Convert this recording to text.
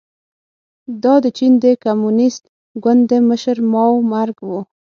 دا د چین د کمونېست ګوند د مشر ماوو مرګ و.